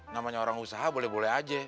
namanya orang usaha boleh boleh aja